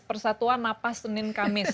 persatuan napas senin kamis